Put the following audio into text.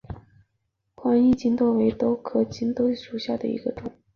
宽翼棘豆为豆科棘豆属下的一个种。